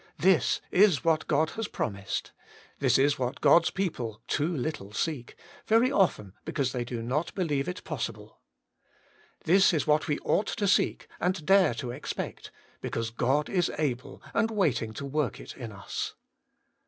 This izp what God has promised. This is what God's people too little seek, very often because they do not believe it possible. This is what we ought to seek and dare to expect, because God is able and waiting to work it in us.